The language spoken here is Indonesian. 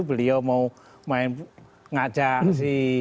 beliau mau ngajak si